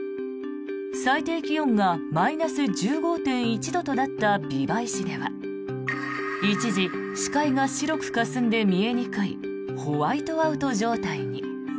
最低気温がマイナス１５．１度となった美唄市では一時、視界が白くかすんで見えにくいホワイトアウト状態に。